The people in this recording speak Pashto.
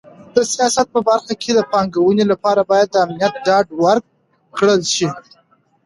د سیاحت په برخه کې د پانګونې لپاره باید د امنیت ډاډ ورکړل شي.